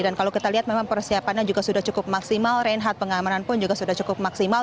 dan kalau kita lihat memang persiapannya juga sudah cukup maksimal renhat pengamanan pun juga sudah cukup maksimal